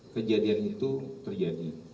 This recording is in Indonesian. kejadian itu terjadi